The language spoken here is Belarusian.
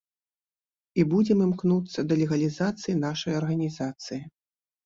І будзем імкнуцца да легалізацыі нашай арганізацыі.